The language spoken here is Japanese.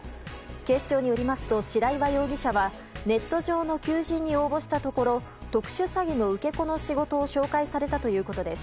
警視庁によりますと白岩容疑者はネット上の求人に応募したところ特殊詐欺の受け子の仕事を紹介されたということです。